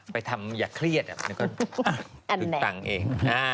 ไปทำอย่าเครียดอ่ะมันก็ถึงตังเอง